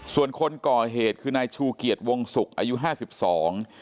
ส่วนคนก่อเหตุคือนายชูเกียจวงศุกร์อายุห้าสิบสอง